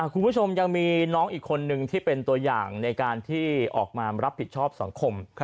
คุณผู้ชมยังมีน้องอีกคนนึงที่เป็นตัวอย่างในการที่ออกมารับผิดชอบสังคม